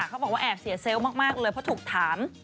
เขาบอกว่าแอบเสียเซลล์มากเลยเพราะถูกถาม